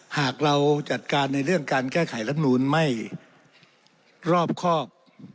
หากเราจัดการในเรื่องการแก้ไขรับนูลไม่รอบครอบ